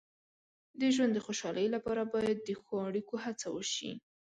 د ژوند د خوشحالۍ لپاره باید د ښو اړیکو هڅه وشي.